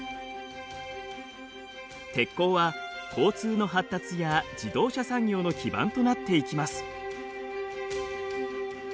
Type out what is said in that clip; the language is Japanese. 鉄鋼は交通の発達や自動車産業の基盤となっていきます。